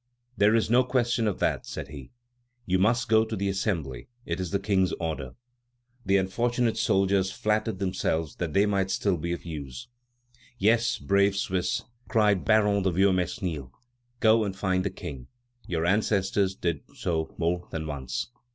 "There is no question of that," said he; "you must go to the Assembly; it is the King's order." The unfortunate soldiers flattered themselves that they might still be of use. "Yes, brave Swiss," cried Baron de Viomesnil, "go and find the King. Your ancestors did so more than once."